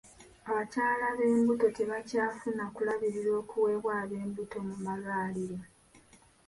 Abakyala b'embuto tebakyafuna kulabirirwa okuweebwa ab'embuto mu malwaliro.